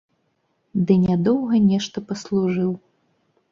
Ды нядоўга нешта паслужыў.